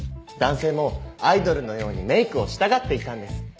男性もアイドルのようにメークをしたがっていたんです。